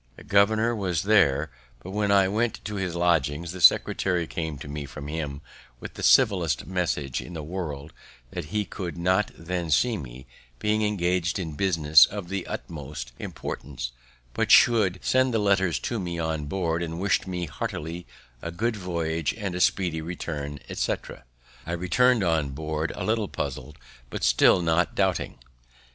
The governor was there; but when I went to his lodging, the secretary came to me from him with the civillest message in the world, that he could not then see me, being engaged in business of the utmost importance, but should send the letters to me on board, wished me heartily a good voyage and a speedy return, etc. I returned on board a little puzzled, but still not doubting.